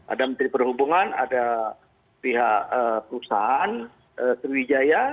ada menteri perhubungan ada pihak perusahaan sriwijaya